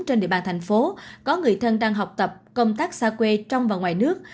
trên địa bàn thành phố có người thân đang học tập công tác xa quê trong và ngoài nước